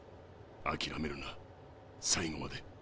あきらめるな最後まで。